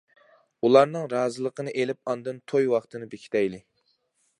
ئۇلارنىڭ رازىلىقىنى ئېلىپ ئاندىن توي ۋاقتىنى بېكىتەيلى.